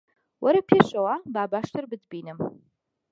وەرە پێشەوە، با باشتر بتبینم